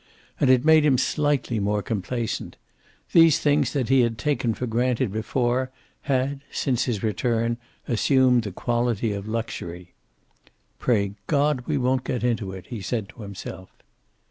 And it made him slightly more complacent. These things that he had taken for granted before had since his return assumed the quality of luxury. "Pray God we won't get into it," he said to himself.